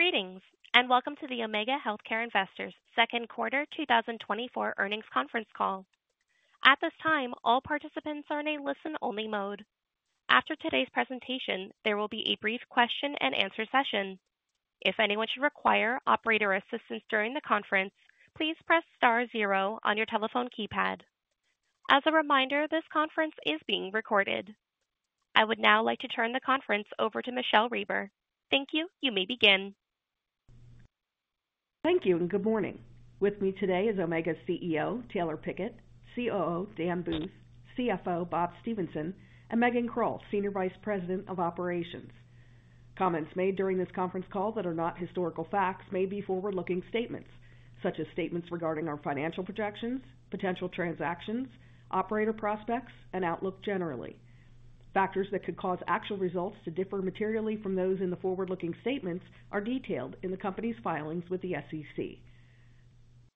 Greetings, and welcome to the Omega Healthcare Investors Second Quarter 2024 earnings conference call. At this time, all participants are in a listen-only mode. After today's presentation, there will be a brief question and answer session. If anyone should require operator assistance during the conference, please press star zero on your telephone keypad. As a reminder, this conference is being recorded. I would now like to turn the conference over to Michele Reber. Thank you. You may begin. Thank you, and good morning. With me today is Omega's CEO, Taylor Pickett, COO, Dan Booth, CFO, Bob Stephenson, and Megan Krull, Senior Vice President of Operations. Comments made during this conference call that are not historical facts may be forward-looking statements, such as statements regarding our financial projections, potential transactions, operator prospects, and outlook generally. Factors that could cause actual results to differ materially from those in the forward-looking statements are detailed in the company's filings with the SEC.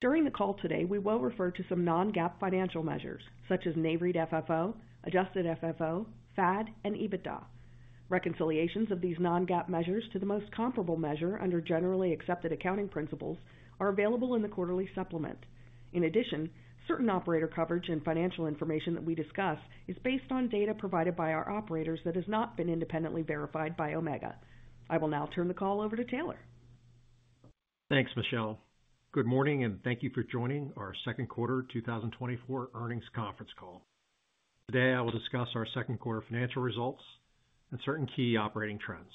During the call today, we will refer to some non-GAAP financial measures such as NAREIT FFO, adjusted FFO, FAD, and EBITDA. Reconciliations of these non-GAAP measures to the most comparable measure under generally accepted accounting principles are available in the quarterly supplement. In addition, certain operator coverage and financial information that we discuss is based on data provided by our operators that has not been independently verified by Omega.I will now turn the call over to Taylor. Thanks, Michele. Good morning, and thank you for joining our second quarter 2024 earnings conference call. Today, I will discuss our second quarter financial results and certain key operating trends.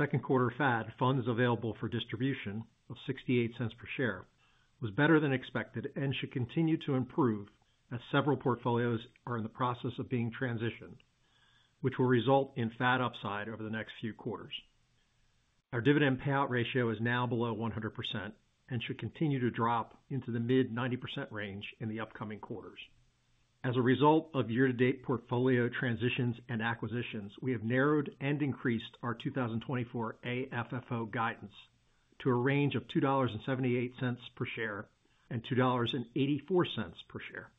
Second quarter FAD, Funds Available for Distribution of $0.68 per share, was better than expected and should continue to improve as several portfolios are in the process of being transitioned, which will result in FAD upside over the next few quarters. Our dividend payout ratio is now below 100% and should continue to drop into the mid-90% range in the upcoming quarters. As a result of year-to-date portfolio transitions and acquisitions, we have narrowed and increased our 2024 AFFO guidance to a range of $2.78 per share-$2.84 per share.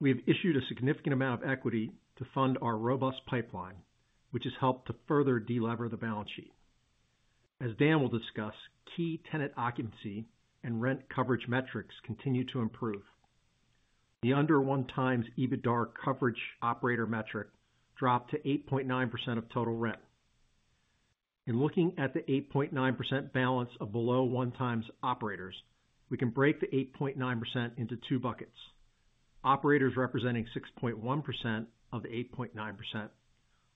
We have issued a significant amount of equity to fund our robust pipeline, which has helped to further delever the balance sheet. As Dan will discuss, key tenant occupancy and rent coverage metrics continue to improve. The under one times EBITDA coverage operator metric dropped to 8.9% of total rent. In looking at the 8.9% balance of below one times operators, we can break the 8.9% into two buckets. Operators representing 6.1% of the 8.9%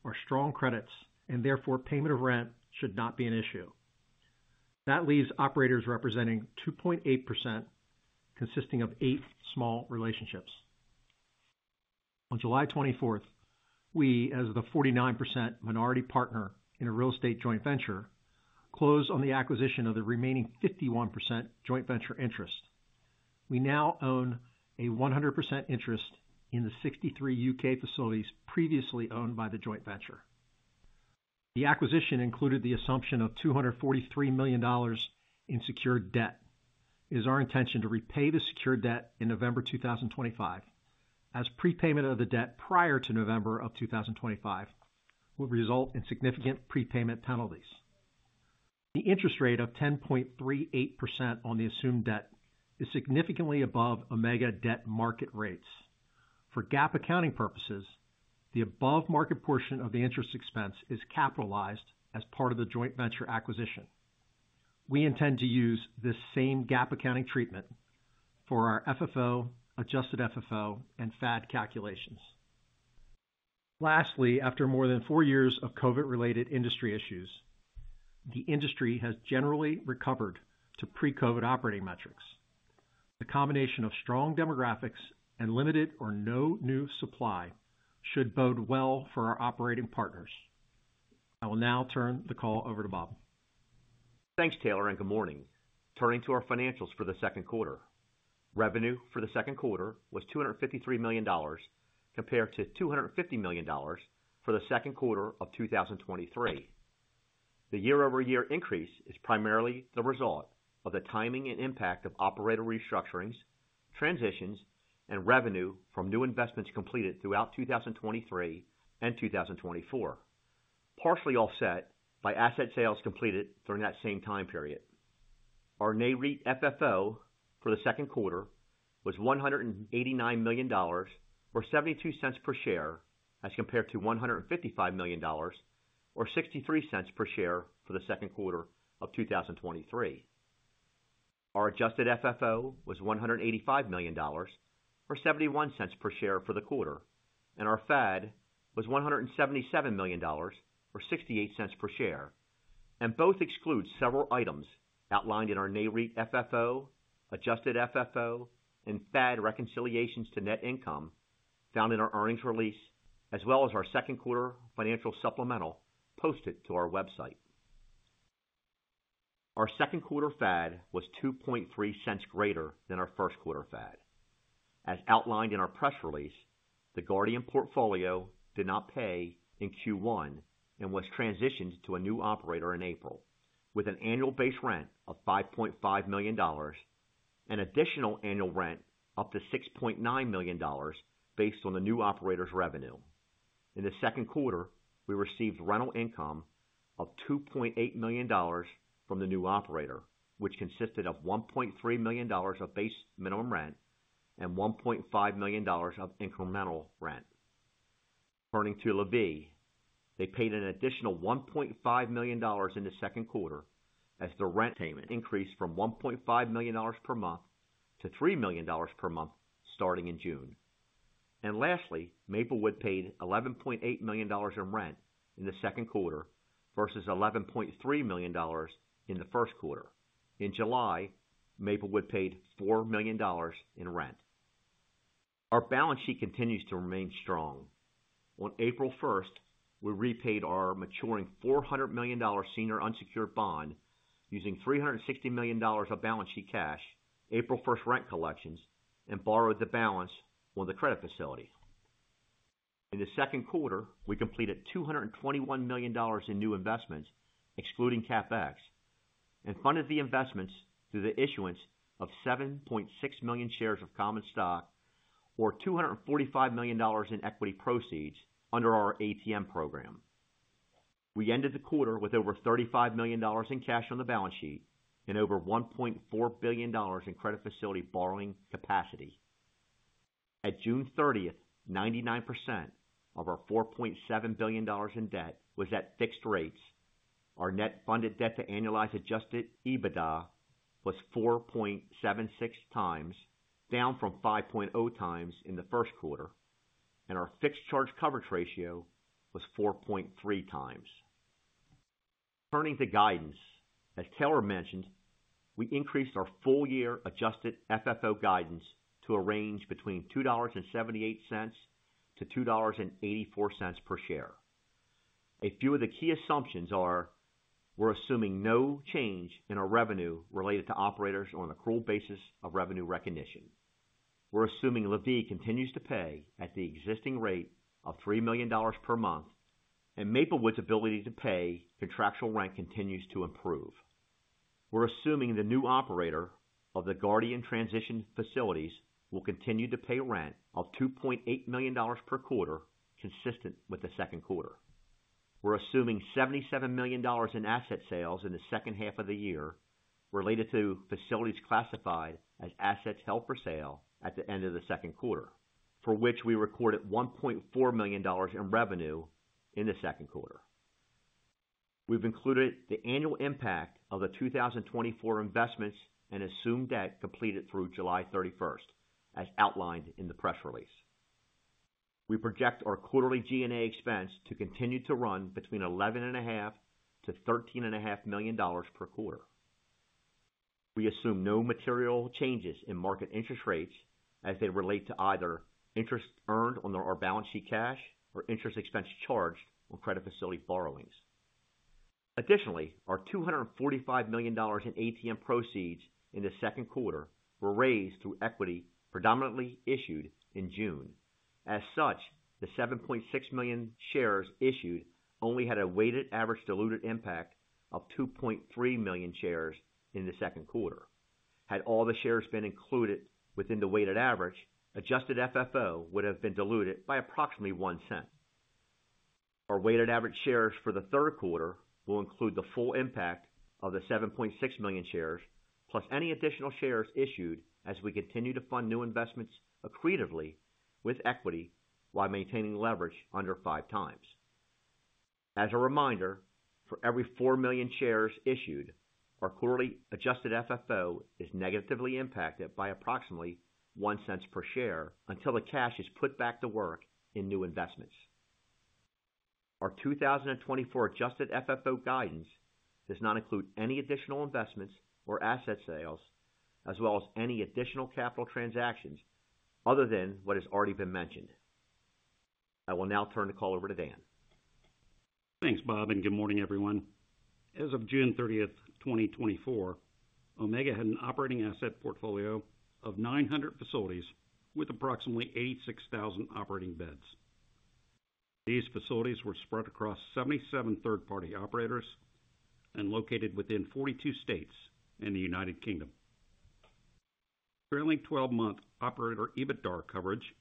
are strong credits and therefore payment of rent should not be an issue. That leaves operators representing 2.8%, consisting of 8 small relationships. On July 24th, we, as the 49% minority partner in a real estate joint venture, closed on the acquisition of the remaining 51% joint venture interest. We now own a 100% interest in the 63 U.K. facilities previously owned by the joint venture. The acquisition included the assumption of $243 million in secured debt. It is our intention to repay the secured debt in November 2025, as prepayment of the debt prior to November 2025 will result in significant prepayment penalties. The interest rate of 10.38% on the assumed debt is significantly above Omega debt market rates. For GAAP accounting purposes, the above-market portion of the interest expense is capitalized as part of the joint venture acquisition. We intend to use this same GAAP accounting treatment for our FFO, adjusted FFO, and FAD calculations. Lastly, after more than four years of COVID-related industry issues, the industry has generally recovered to pre-COVID operating metrics. The combination of strong demographics and limited or no new supply should bode well for our operating partners. I will now turn the call over to Bob. Thanks, Taylor, and good morning. Turning to our financials for the second quarter. Revenue for the second quarter was $253 million compared to $250 million for the second quarter of 2023. The year-over-year increase is primarily the result of the timing and impact of operator restructurings, transitions, and revenue from new investments completed throughout 2023 and 2024, partially offset by asset sales completed during that same time period. Our NAREIT FFO for the second quarter was $189 million, or $0.72 per share, as compared to $155 million or $0.63 per share for the second quarter of 2023. Our adjusted FFO was $185 million or $0.71 per share for the quarter, and our FAD was $177 million or $0.68 per share, and both exclude several items outlined in our NAREIT FFO, adjusted FFO, and FAD reconciliations to net income found in our earnings release, as well as our second quarter financial supplemental posted to our website. Our second quarter FAD was $0.023 greater than our first quarter FAD. As outlined in our press release, the Guardian portfolio did not pay in Q1 and was transitioned to a new operator in April with an annual base rent of $5.5 million, an additional annual rent up to $6.9 million based on the new operator's revenue. In the second quarter, we received rental income of $2.8 million from the new operator, which consisted of $1.3 million of base minimum rent and $1.5 million of incremental rent. Turning to LaVie, they paid an additional $1.5 million in the second quarter, as their rent payment increased from $1.5 million per month to $3 million per month, starting in June. And lastly, Maplewood paid $11.8 million in rent in the second quarter versus $11.3 million in the first quarter. In July, Maplewood paid $4 million in rent. Our balance sheet continues to remain strong. On April 1, we repaid our maturing $400 million senior unsecured bond, using $360 million of balance sheet cash, April 1 rent collections, and borrowed the balance on the credit facility. In the second quarter, we completed $221 million in new investments, excluding CapEx, and funded the investments through the issuance of 7.6 million shares of common stock, or $245 million in equity proceeds under our ATM program. We ended the quarter with over $35 million in cash on the balance sheet and over $1.4 billion in credit facility borrowing capacity. At June 30, 99% of our $4.7 billion in debt was at fixed rates. Our net funded debt to annualized adjusted EBITDA was 4.76x, down from 5.0x in the first quarter, and our fixed charge coverage ratio was 4.3x. Turning to guidance, as Taylor mentioned, we increased our full year adjusted FFO guidance to a range between $2.78-$2.84 per share. A few of the key assumptions are: we're assuming no change in our revenue related to operators on accrual basis of revenue recognition. We're assuming LaVie continues to pay at the existing rate of $3 million per month, and Maplewood's ability to pay contractual rent continues to improve. We're assuming the new operator of the Guardian transition facilities will continue to pay rent of $2.8 million per quarter, consistent with the second quarter. We're assuming $77 million in asset sales in the second half of the year related to facilities classified as assets held for sale at the end of the second quarter, for which we recorded $1.4 million in revenue in the second quarter. We've included the annual impact of the 2024 investments and assumed debt completed through July 31, as outlined in the press release. We project our quarterly G&A expense to continue to run between $11.5 million-$13.5 million per quarter. We assume no material changes in market interest rates as they relate to either interest earned on our balance sheet cash or interest expense charged on credit facility borrowings. Additionally, our $245 million in ATM proceeds in the second quarter were raised through equity, predominantly issued in June. As such, the 7.6 million shares issued only had a weighted average diluted impact of 2.3 million shares in the second quarter. Had all the shares been included within the weighted average, adjusted FFO would have been diluted by approximately $0.01. Our weighted-average shares for the third quarter will include the full impact of the 7.6 million shares, plus any additional shares issued as we continue to fund new investments accretively with equity, while maintaining leverage under 5x. As a reminder, for every 4 million shares issued, our quarterly adjusted FFO is negatively impacted by approximately $0.01 per share until the cash is put back to work in new investments. Our 2024 adjusted FFO guidance does not include any additional investments or asset sales, as well as any additional capital transactions other than what has already been mentioned. I will now turn the call over to Dan. Thanks, Bob, and good morning, everyone. As of June 30, 2024, Omega had an operating asset portfolio of 900 facilities with approximately 86,000 operating beds. These facilities were spread across 77 third-party operators and located within 42 states in the United Kingdom. Trailing twelve-month operator EBITDAR coverage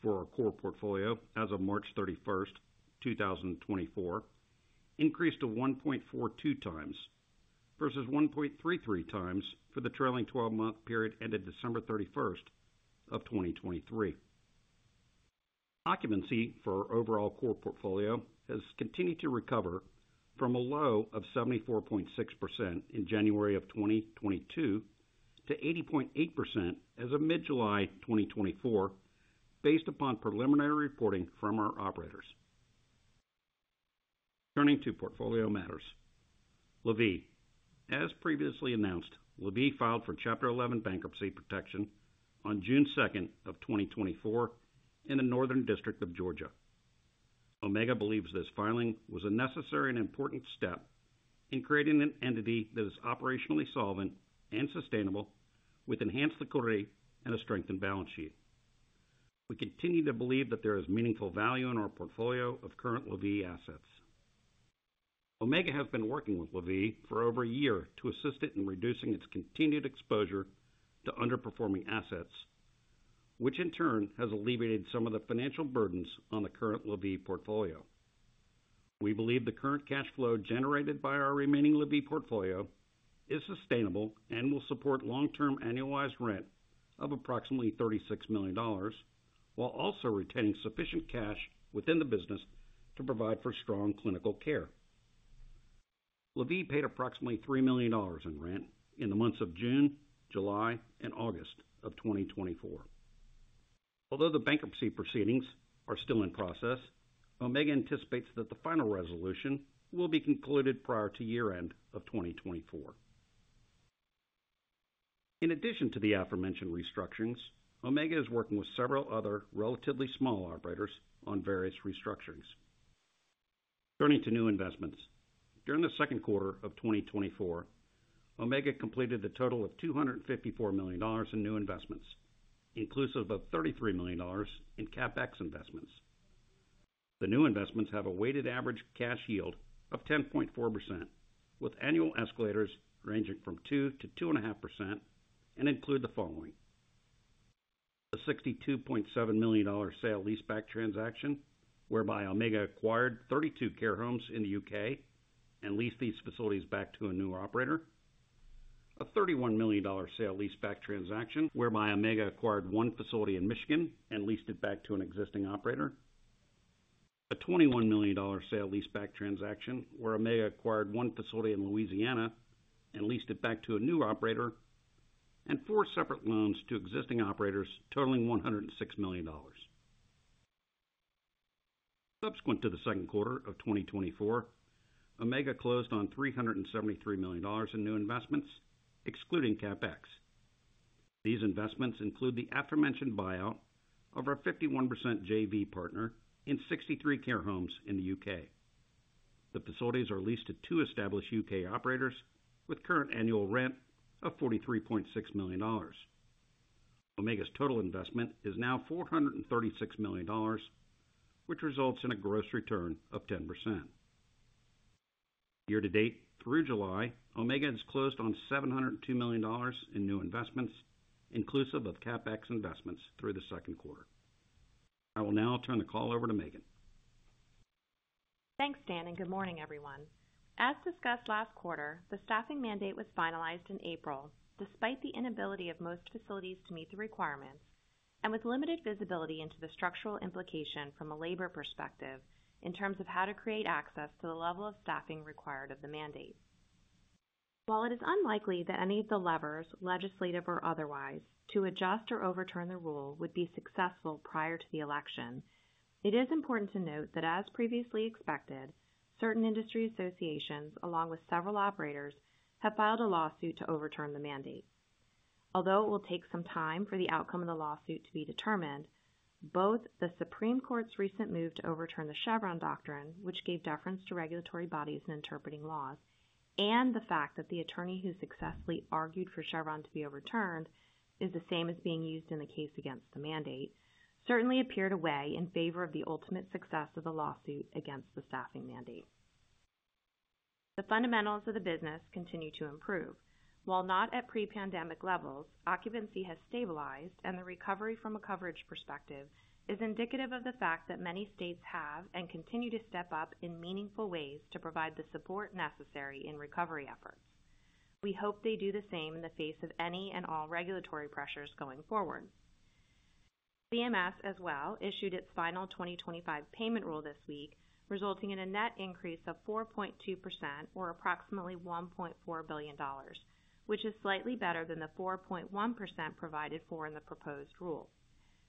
for our core portfolio as of March 31, 2024, increased to 1.42x, versus 1.33x for the trailing twelve-month period ended December 31, 2023. Occupancy for our overall core portfolio has continued to recover from a low of 74.6% in January of 2022 to 80.8% as of mid-July 2024, based upon preliminary reporting from our operators. Turning to portfolio matters. LaVie, as previously announced, LaVie filed for Chapter 11 bankruptcy protection on June 2, 2024 in the Northern District of Georgia. Omega believes this filing was a necessary and important step in creating an entity that is operationally solvent and sustainable, with enhanced liquidity and a strengthened balance sheet. We continue to believe that there is meaningful value in our portfolio of current LaVie assets. Omega has been working with LaVie for over a year to assist it in reducing its continued exposure to underperforming assets, which in turn has alleviated some of the financial burdens on the current LaVie portfolio. We believe the current cash flow generated by our remaining LaVie portfolio is sustainable and will support long-term annualized rent of approximately $36 million, while also retaining sufficient cash within the business to provide for strong clinical care. LaVie paid approximately $3 million in rent in the months of June, July, and August of 2024. Although the bankruptcy proceedings are still in process, Omega anticipates that the final resolution will be concluded prior to year-end of 2024. In addition to the aforementioned restructurings, Omega is working with several other relatively small operators on various restructurings. Turning to new investments. During the second quarter of 2024, Omega completed a total of $254 million in new investments, inclusive of $33 million in CapEx investments. The new investments have a weighted average cash yield of 10.4%, with annual escalators ranging from 2%-2.5%, and include the following: A $62.7 million sale-leaseback transaction, whereby Omega acquired 32 care homes in the U.K. and leased these facilities back to a new operator. A $31 million sale-leaseback transaction, whereby Omega acquired one facility in Michigan and leased it back to an existing operator. A $21 million sale-leaseback transaction, where Omega acquired one facility in Louisiana and leased it back to a new operator, and four separate loans to existing operators, totaling $106 million. Subsequent to the second quarter of 2024, Omega closed on $373 million in new investments, excluding CapEx. These investments include the aforementioned buyout of our 51% JV partner in 63 care homes in the U.K. The facilities are leased to two established U.K. operators, with current annual rent of $43.6 million. Omega's total investment is now $436 million, which results in a gross return of 10%. Year to date, through July, Omega has closed on $702 million in new investments, inclusive of CapEx investments through the second quarter. I will now turn the call over to Megan. Thanks, Dan, and good morning, everyone. As discussed last quarter, the staffing mandate was finalized in April, despite the inability of most facilities to meet the requirements and with limited visibility into the structural implication from a labor perspective, in terms of how to create access to the level of staffing required of the mandate. While it is unlikely that any of the levers, legislative or otherwise, to adjust or overturn the rule, would be successful prior to the election, it is important to note that, as previously expected, certain industry associations, along with several operators, have filed a lawsuit to overturn the mandate. Although it will take some time for the outcome of the lawsuit to be determined, both the Supreme Court's recent move to overturn the Chevron doctrine, which gave deference to regulatory bodies in interpreting laws, and the fact that the attorney who successfully argued for Chevron to be overturned is the same as being used in the case against the mandate, certainly appear to weigh in favor of the ultimate success of the lawsuit against the staffing mandate. The fundamentals of the business continue to improve. While not at pre-pandemic levels, occupancy has stabilized, and the recovery from a coverage perspective is indicative of the fact that many states have and continue to step up in meaningful ways to provide the support necessary in recovery efforts. We hope they do the same in the face of any and all regulatory pressures going forward. CMS, as well, issued its final 2025 payment rule this week, resulting in a net increase of 4.2% or approximately $1.4 billion, which is slightly better than the 4.1% provided for in the proposed rule.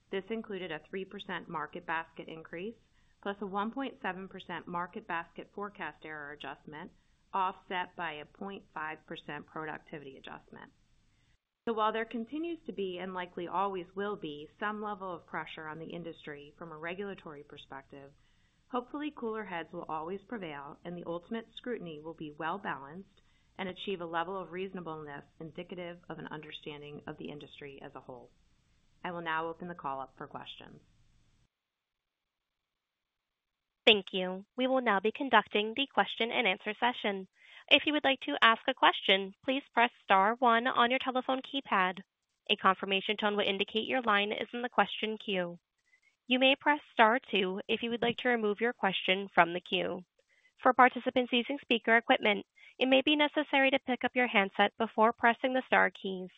This included a 3% market basket increase, plus a 1.7% market basket forecast error adjustment, offset by a 0.5% productivity adjustment. So while there continues to be, and likely always will be, some level of pressure on the industry from a regulatory perspective, hopefully cooler heads will always prevail and the ultimate scrutiny will be well balanced and achieve a level of reasonableness indicative of an understanding of the industry as a whole. I will now open the call up for questions. Thank you. We will now be conducting the question-and-answer session. If you would like to ask a question, please press star one on your telephone keypad. A confirmation tone will indicate your line is in the question queue. You may press star two if you would like to remove your question from the queue. For participants using speaker equipment, it may be necessary to pick up your handset before pressing the star keys.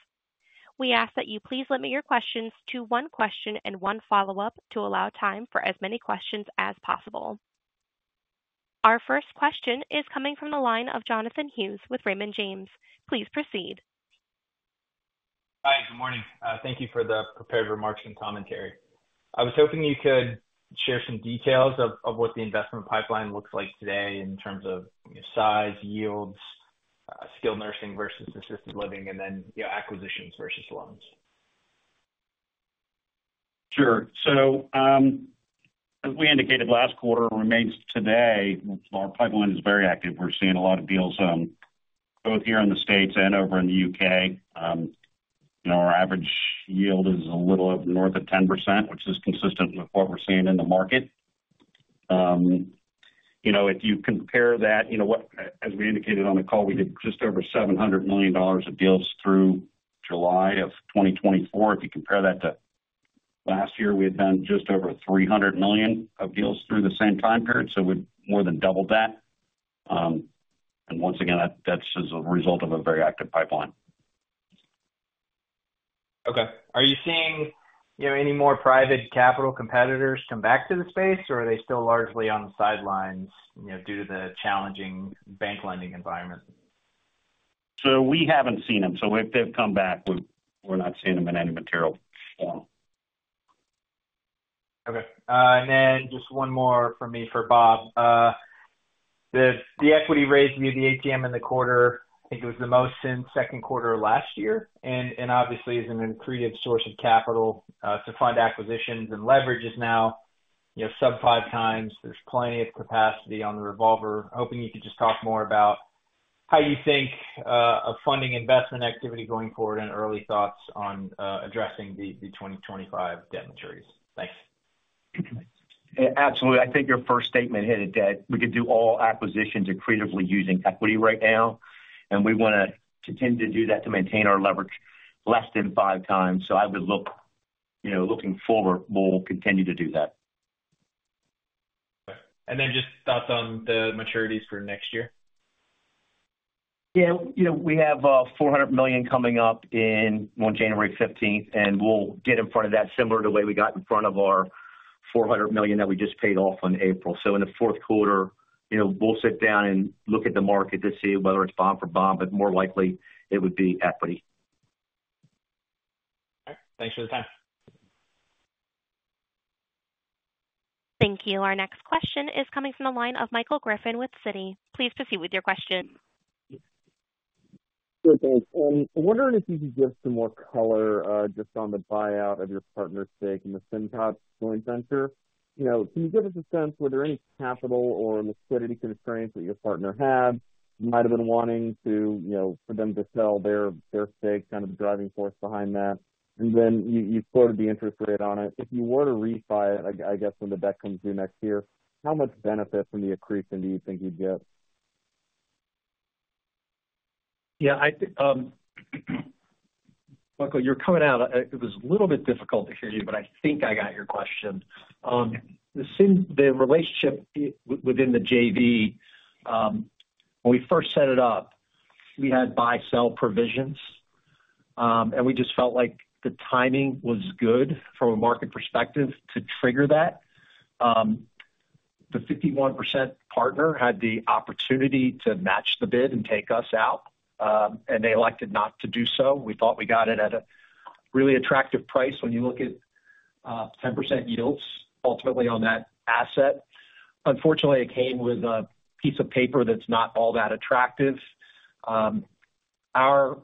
We ask that you please limit your questions to one question and one follow-up to allow time for as many questions as possible. Our first question is coming from the line of Jonathan Hughes with Raymond James. Please proceed. Hi, good morning. Thank you for the prepared remarks and commentary. I was hoping you could share some details of, of what the investment pipeline looks like today in terms of size, yields, skilled nursing versus assisted living, and then, you know, acquisitions versus loans. Sure. So, as we indicated last quarter, and remains today, our pipeline is very active. We're seeing a lot of deals, both here in the States and over in the U.K. You know, our average yield is a little up north of 10%, which is consistent with what we're seeing in the market. You know, if you compare that, you know what? As we indicated on the call, we did just over $700 million of deals through July of 2024. If you compare that to last year, we had done just over $300 million of deals through the same time period, so we've more than doubled that. And once again, that, that's just a result of a very active pipeline. Okay. Are you seeing, you know, any more private capital competitors come back to the space, or are they still largely on the sidelines, you know, due to the challenging bank lending environment? So we haven't seen them. So if they've come back, we're, we're not seeing them in any material. So. Okay, and then just one more from me for Bob. The equity raise via the ATM in the quarter, I think it was the most since second quarter of last year, and obviously is an accretive source of capital to fund acquisitions and leverages now, you know, sub five times. There's plenty of capacity on the revolver. Hoping you could just talk more about how you think of funding investment activity going forward and early thoughts on addressing the 2025 debt maturities. Thanks. Absolutely. I think your first statement hit it dead. We could do all acquisitions accretively using equity right now, and we wanna continue to do that to maintain our leverage less than 5x. So, you know, looking forward, we'll continue to do that. Then just thoughts on the maturities for next year. Yeah. You know, we have $400 million coming up on January fifteenth, and we'll get in front of that, similar to the way we got in front of our $400 million that we just paid off in April. So in the fourth quarter, you know, we'll sit down and look at the market to see whether it's bond for bond, but more likely it would be equity. All right. Thanks for the time. Thank you. Our next question is coming from the line of Michael Griffin with Citi. Please proceed with your question. Great, thanks. I'm wondering if you could give some more color, just on the buyout of your partner's stake in the Cindat joint venture. You know, can you give us a sense, were there any capital or liquidity constraints that your partner had, might have been wanting to, you know, for them to sell their, their stake, kind of the driving force behind that? And then you, you quoted the interest rate on it. If you were to refi it, I, I guess, when the debt comes due next year, how much benefit from the accretion do you think you'd get? Yeah, I think, Michael, you're coming out. It was a little bit difficult to hear you, but I think I got your question. The Cindat-- the relationship within the JV, when we first set it up, we had buy/sell provisions, and we just felt like the timing was good from a market perspective to trigger that. The 51% partner had the opportunity to match the bid and take us out, and they elected not to do so. We thought we got it at a really attractive price when you look at, ten percent yields ultimately on that asset. Unfortunately, it came with a piece of paper that's not all that attractive. Our,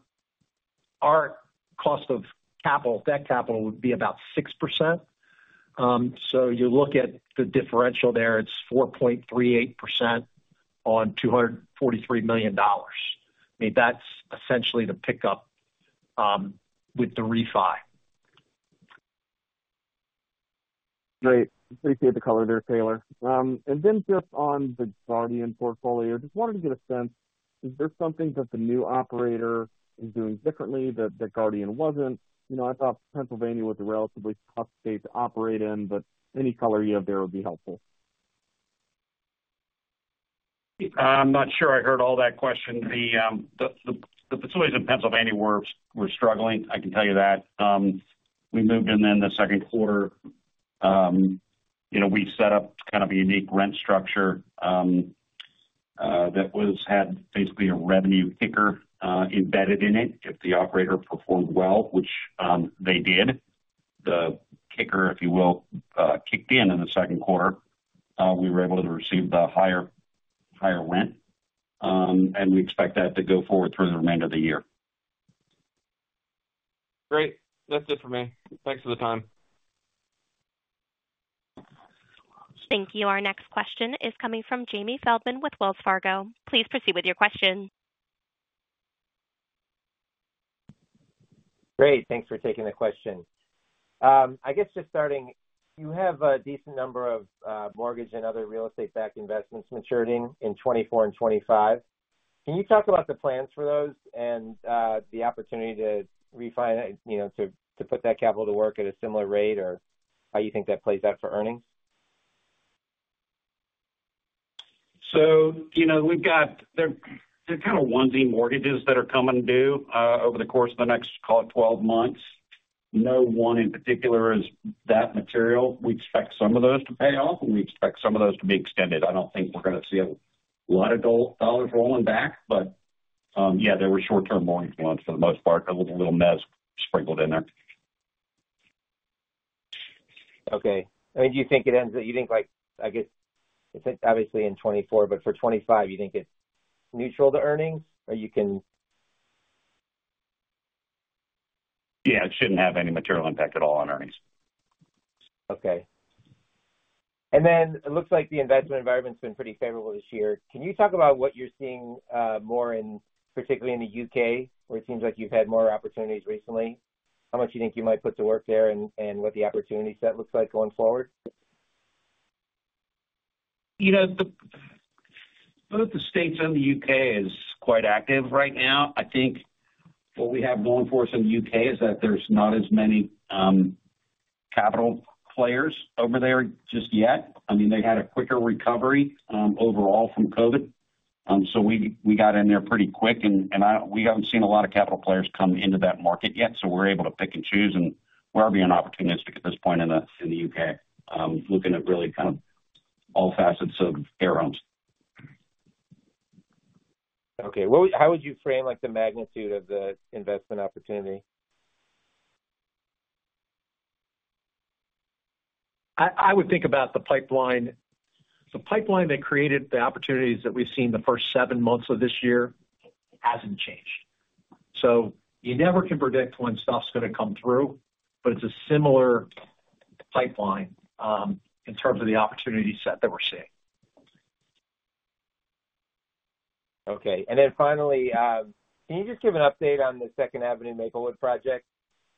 our cost of capital, debt capital, would be about 6%. So you look at the differential there, it's 4.38% on $243 million. I mean, that's essentially the pickup with the refi. Great, appreciate the color there, Taylor. And then just on the Guardian portfolio, just wanted to get a sense, is there something that the new operator is doing differently that, that Guardian wasn't? You know, I thought Pennsylvania was a relatively tough state to operate in, but any color you have there would be helpful. I'm not sure I heard all that question. The facilities in Pennsylvania were struggling, I can tell you that. We moved in there in the second quarter. You know, we set up kind of a unique rent structure that had basically a revenue kicker embedded in it. If the operator performed well, which they did, the kicker, if you will, kicked in in the second quarter. We were able to receive the higher rent, and we expect that to go forward through the remainder of the year. Great. That's it for me. Thanks for the time. Thank you. Our next question is coming from Jamie Feldman with Wells Fargo. Please proceed with your question. Great. Thanks for taking the question. I guess just starting, you have a decent number of mortgage and other real estate-backed investments maturing in 2024 and 2025. Can you talk about the plans for those and the opportunity to refine, you know, to put that capital to work at a similar rate, or how you think that plays out for earnings? So, you know, we've got... They're kind of onesie mortgages that are coming due over the course of the next, call it, 12 months. No one in particular is that material. We expect some of those to pay off, and we expect some of those to be extended. I don't think we're gonna see a lot of dollars rolling back, but yeah, they were short-term mortgages ones for the most part, a little mezz sprinkled in there. Okay. And do you think, like, I guess it's obviously in 2024, but for 2025, you think it's neutral to earnings? Or you can? Yeah, it shouldn't have any material impact at all on earnings. Okay. And then it looks like the investment environment's been pretty favorable this year. Can you talk about what you're seeing, more in, particularly in the U.K., where it seems like you've had more opportunities recently? How much do you think you might put to work there, and, and what the opportunity set looks like going forward? You know, both the States and the U.K. is quite active right now. I think what we have going for us in the U.K. is that there's not as many capital players over there just yet. I mean, they had a quicker recovery overall from COVID. So we got in there pretty quick, and we haven't seen a lot of capital players come into that market yet, so we're able to pick and choose, and we're being opportunistic at this point in the U.K., looking at really kind of all facets of care homes. Okay. How would you frame, like, the magnitude of the investment opportunity? I would think about the pipeline. The pipeline that created the opportunities that we've seen in the first seven months of this year hasn't changed. So you never can predict when stuff's gonna come through, but it's a similar pipeline in terms of the opportunity set that we're seeing. Okay. And then finally, can you just give an update on the Second Avenue Maplewood project?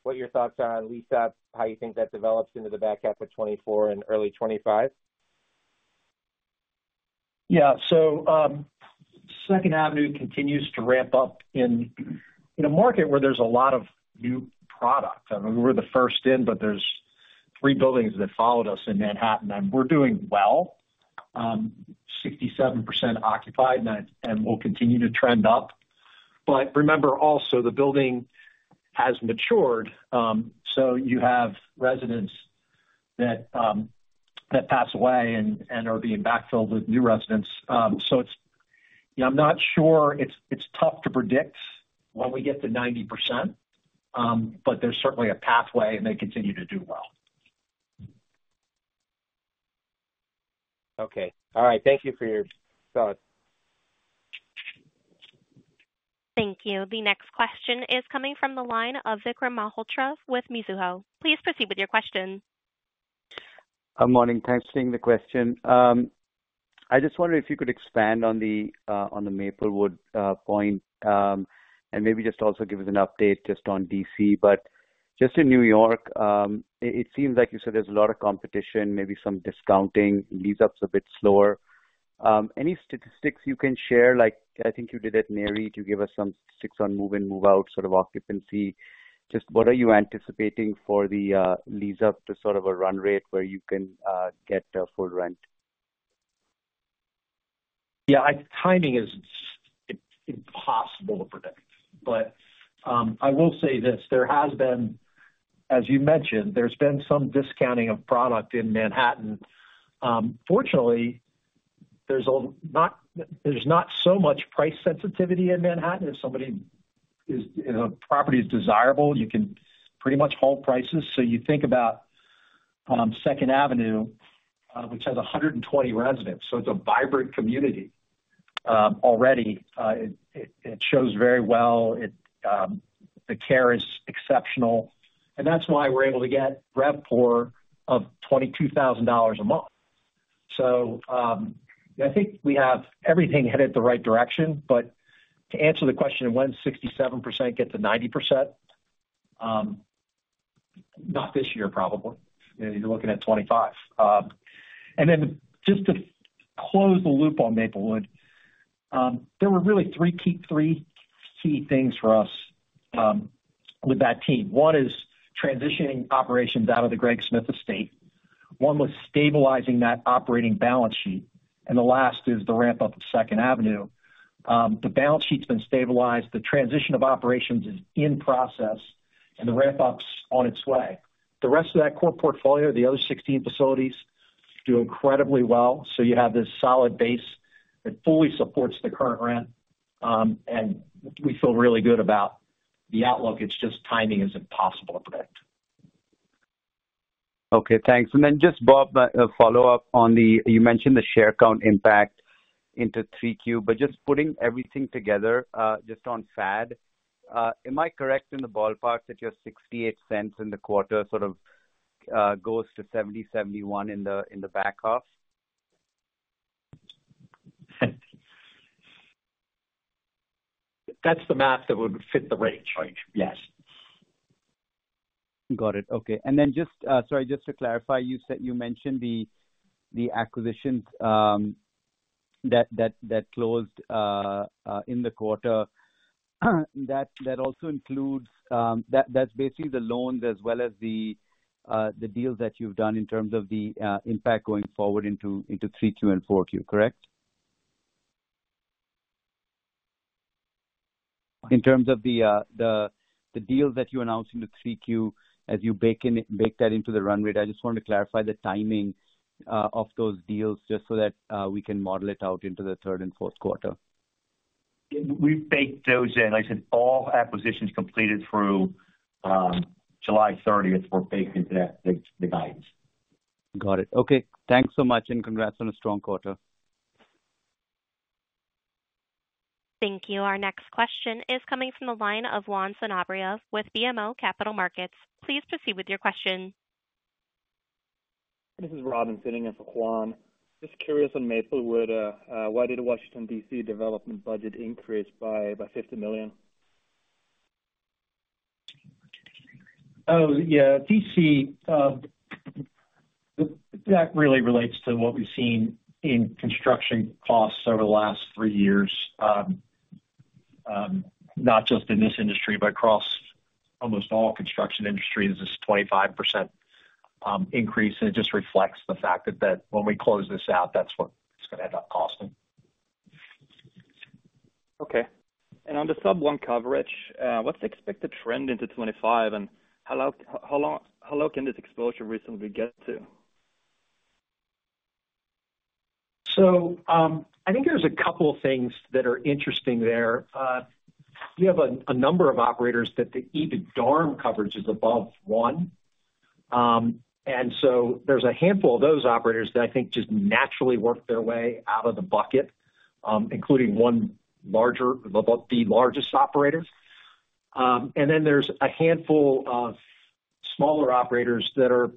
What your thoughts are on lease-up, how you think that develops into the back half of 2024 and early 2025? Yeah. So, Second Avenue continues to ramp up in a market where there's a lot of new product. I mean, we're the first in, but there's three buildings that followed us in Manhattan, and we're doing well, 67% occupied, and we'll continue to trend up. But remember also, the building has matured, so you have residents that pass away and are being backfilled with new residents. So it's. You know, I'm not sure. It's tough to predict when we get to 90%, but there's certainly a pathway, and they continue to do well. Okay. All right. Thank you for your thoughts. Thank you. The next question is coming from the line of Vikram Malhotra with Mizuho. Please proceed with your question. Good morning. Thanks for taking the question. I just wondered if you could expand on the Maplewood point, and maybe just also give us an update just on D.C. But just in New York, it seems like you said there's a lot of competition, maybe some discounting, lease-up's a bit slower. Any statistics you can share, like I think you did at Mary, to give us some statistics on move-in, move-out, sort of occupancy? Just what are you anticipating for the lease-up to sort of a run rate where you can get a full rent? Yeah. Timing is impossible to predict, but, I will say this: There has been, as you mentioned, there's been some discounting of product in Manhattan. Fortunately, there's not so much price sensitivity in Manhattan. If somebody is, you know, property is desirable, you can pretty much hold prices. So you think about, Second Avenue, which has 120 residents, so it's a vibrant community. Already, it shows very well. It, the care is exceptional, and that's why we're able to get RevPAR of $22,000 a month. So, I think we have everything headed in the right direction. But to answer the question, when 67% get to 90%, not this year, probably. Maybe you're looking at 2025. And then just to close the loop on Maplewood, there were really three key things for us, with that team. One is transitioning operations out of the Greg Smith estate. One was stabilizing that operating balance sheet, and the last is the ramp-up of Second Avenue. The balance sheet's been stabilized, the transition of operations is in process, and the ramp-up's on its way. The rest of that core portfolio, the other 16 facilities, do incredibly well. So you have this solid base that fully supports the current rent, and we feel really good about the outlook. It's just timing is impossible to predict. Okay, thanks. And then just, Bob, a follow-up on the. You mentioned the share count impact into 3Q, but just putting everything together, just on FAD, am I correct in the ballparks that your $0.68 in the quarter sort of goes to $0.70, $0.71 in the back half? That's the math that would fit the range. Yes. Got it. Okay. And then just, sorry, just to clarify, you said you mentioned the acquisitions that closed in the quarter. That also includes that that's basically the loans as well as the deals that you've done in terms of the impact going forward into 3Q and 4Q, correct? In terms of the deals that you announced in the 3Q, as you bake that into the run rate. I just wanted to clarify the timing of those deals just so that we can model it out into the third and fourth quarter. We've baked those in. I said all acquisitions completed through July 30th were baked into the guidance. Got it. Okay. Thanks so much, and congrats on a strong quarter. Thank you. Our next question is coming from the line of Juan Sanabria with BMO Capital Markets. Please proceed with your question. This is Robin sitting in for Juan. Just curious on Maplewood, why did Washington, D.C., development budget increase by $50 million? Oh, yeah, D.C., that really relates to what we've seen in construction costs over the last three years. Not just in this industry, but across almost all construction industries. This is a 25% increase, and it just reflects the fact that, that when we close this out, that's what it's gonna end up costing. Okay. And on the sub one coverage, what's the expected trend into 2025, and how long, how low can this exposure reasonably get to? I think there's a couple of things that are interesting there. We have a number of operators that the EBITDA coverage is above 1. And so there's a handful of those operators that I think just naturally work their way out of the bucket, including one larger, the largest operator. And then there's a handful of smaller operators that are--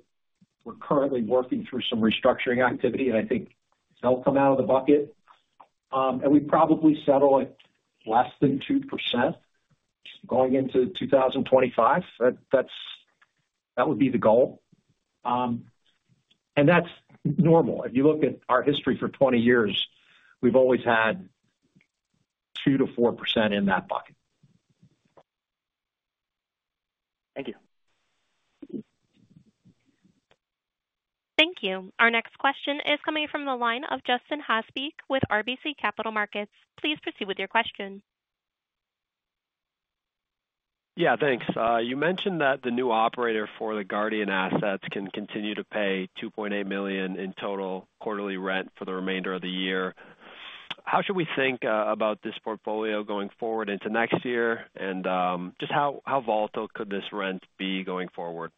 we're currently working through some restructuring activity, and I think they'll come out of the bucket. And we probably settle at less than 2% going into 2025. That's, that would be the goal. And that's normal. If you look at our history for 20 years, we've always had 2%-4% in that bucket. Thank you. Thank you. Our next question is coming from the line of Justin Haasbeek with RBC Capital Markets. Please proceed with your question. Yeah, thanks. You mentioned that the new operator for the Guardian assets can continue to pay $2.8 million in total quarterly rent for the remainder of the year. How should we think about this portfolio going forward into next year? And just how volatile could this rent be going forward?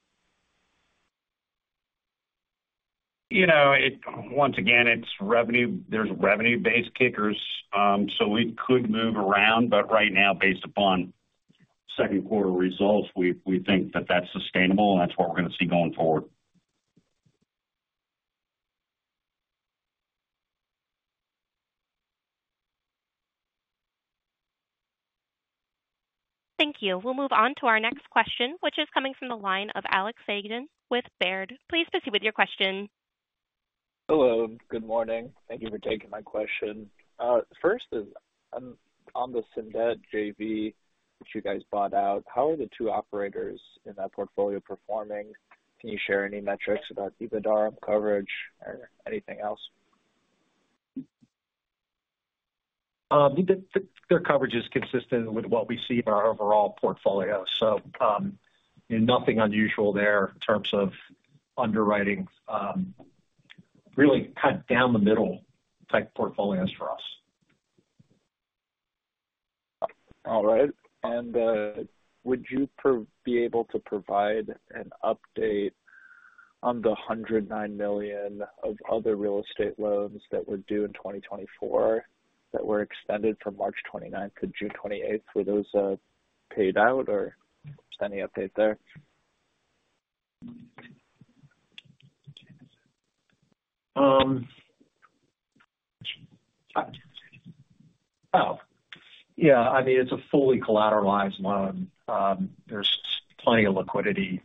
You know, it once again, it's revenue. There's revenue-based kickers, so we could move around, but right now, based upon second quarter results, we think that that's sustainable, and that's what we're going to see going forward. Thank you. We'll move on to our next question, which is coming from the line of Alex Fagan with Baird. Please proceed with your question. Hello, good morning. Thank you for taking my question. First, on the Cindat JV, which you guys bought out, how are the two operators in that portfolio performing? Can you share any metrics about EBITDA coverage or anything else? Their coverage is consistent with what we see in our overall portfolio, so, nothing unusual there in terms of underwriting. Really kind of down the middle type portfolios for us. All right. Would you be able to provide an update on the $109 million of other real estate loans that were due in 2024, that were extended from March 29th to June 28th? Were those paid out or any update there? Oh, yeah. I mean, it's a fully collateralized loan. There's plenty of liquidity,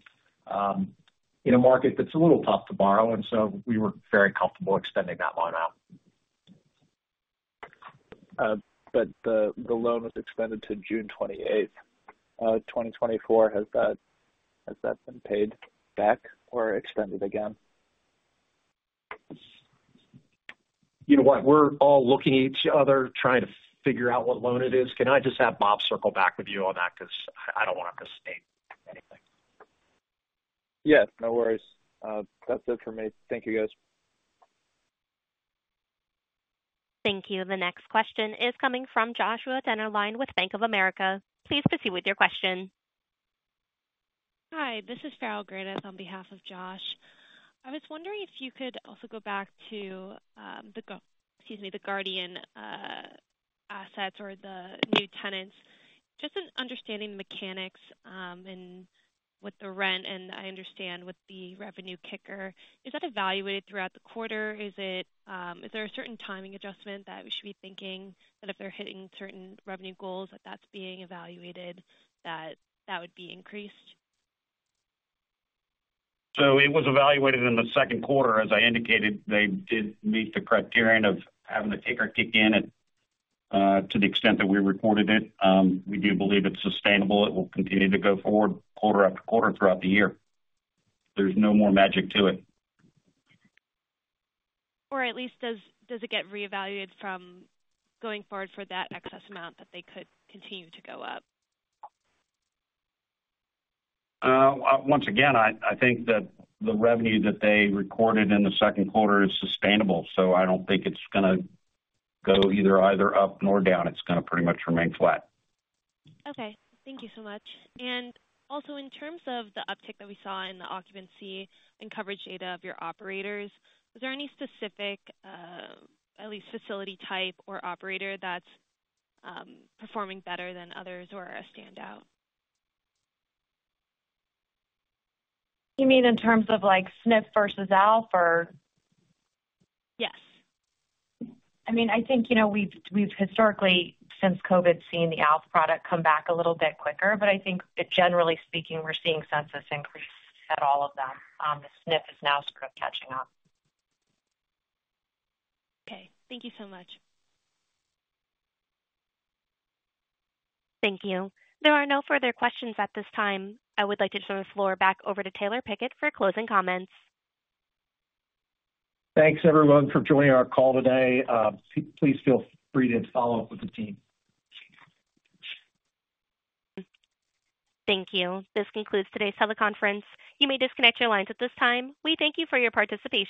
in a market that's a little tough to borrow, and so we were very comfortable extending that loan out. But the loan was extended to June 28, 2024. Has that been paid back or extended again? You know what? We're all looking at each other, trying to figure out what loan it is. Can I just have Bob circle back with you on that? Because I don't want to mistake anything. Yes, no worries. That's it for me. Thank you, guys. Thank you. The next question is coming from Joshua Dennerlein with Bank of America. Please proceed with your question. Hi, this is Farrell Granath on behalf of Josh. I was wondering if you could also go back to the Guardian assets or the new tenants. Just in understanding the mechanics, and with the rent, and I understand with the revenue kicker, is that evaluated throughout the quarter? Is it, is there a certain timing adjustment that we should be thinking that if they're hitting certain revenue goals, that that's being evaluated, that that would be increased? It was evaluated in the second quarter. As I indicated, they did meet the criterion of having the kicker kick in at, to the extent that we reported it. We do believe it's sustainable. It will continue to go forward quarter after quarter throughout the year. There's no more magic to it. Or at least does it get reevaluated from going forward for that excess amount that they could continue to go up? Once again, I think that the revenue that they recorded in the second quarter is sustainable, so I don't think it's gonna go either up nor down. It's gonna pretty much remain flat. Okay, thank you so much. And also, in terms of the uptick that we saw in the occupancy and coverage data of your operators, was there any specific at least facility type or operator that's performing better than others or a standout? You mean in terms of like SNF versus ALF or? Yes. I mean, I think, you know, we've, we've historically, since COVID, seen the ALF product come back a little bit quicker, but I think generally speaking, we're seeing census increase at all of them. The SNF is now sort of catching up. Okay, thank you so much. Thank you. There are no further questions at this time. I would like to turn the floor back over to Taylor Pickett for closing comments. Thanks, everyone, for joining our call today. Please feel free to follow up with the team. Thank you. This concludes today's teleconference. You may disconnect your lines at this time. We thank you for your participation.